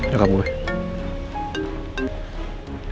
ya gak boleh